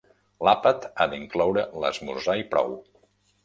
L'àpat ha d'incloure l'esmorzar i prou.